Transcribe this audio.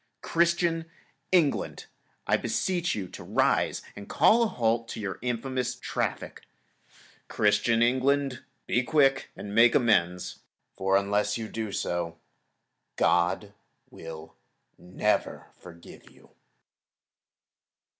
Christian England! I beseech you to rise and call a halt in your infamous traffic. Christian England! Be quick and make amends, for unless you do so, God will never forgive you.